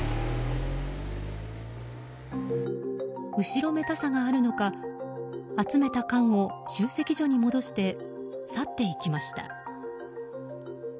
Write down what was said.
後ろめたさがあるのか集めた缶を集積所に戻して去っていきました。